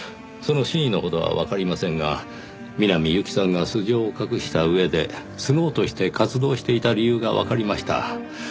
その真意のほどはわかりませんが南侑希さんが素性を隠した上でスノウとして活動していた理由がわかりました。